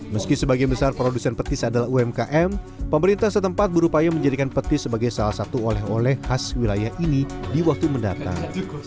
meski sebagian besar produsen petis adalah umkm pemerintah setempat berupaya menjadikan petis sebagai salah satu oleh oleh khas wilayah ini di waktu mendatang